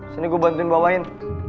sini gue bantuin bawain